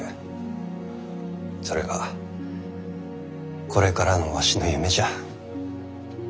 それがこれからのわしの夢じゃ。